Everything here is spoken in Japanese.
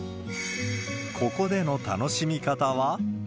ここでの楽しみ方は。